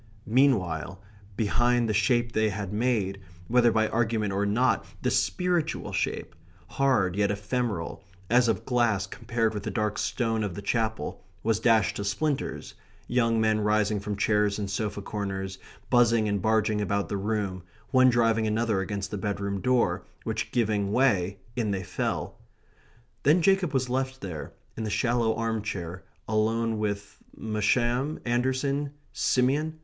Meanwhile behind him the shape they had made, whether by argument or not, the spiritual shape, hard yet ephemeral, as of glass compared with the dark stone of the Chapel, was dashed to splinters, young men rising from chairs and sofa corners, buzzing and barging about the room, one driving another against the bedroom door, which giving way, in they fell. Then Jacob was left there, in the shallow arm chair, alone with Masham? Anderson? Simeon?